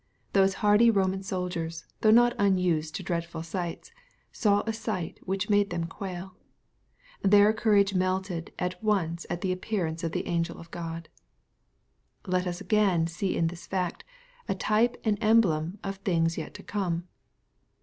'' Those hardy Eoman soldiers, though not unused to dreadful sights, saw a sight which made them quail. Their courage melted at once at the appearance of one angel of God. Let us again see in this fact, a type and emblem of things yet to come.